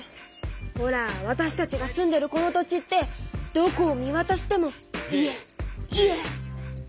ほらわたしたちが住んでるこの土地ってどこを見わたしても家家ｙｅａｈでしょ？